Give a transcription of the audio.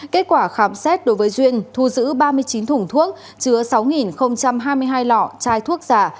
kết quả khám xét đối với duyên thu giữ ba mươi chín thùng thuốc chứa sáu hai mươi hai lọ chai thuốc giả